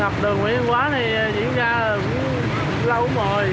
ngập đường nguyên quá thì diễn ra cũng lâu không rồi